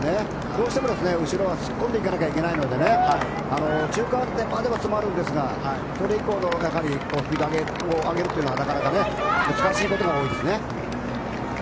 どうしても後ろは突っ込んでいかないといけないので中間点までは迫るんですがそれ以降のスピードを上げるのは難しいことが多いですね。